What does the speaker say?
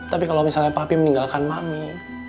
tapi kalau misalnya papi meninggalkan mami